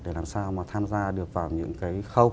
để làm sao mà tham gia được vào những cái khâu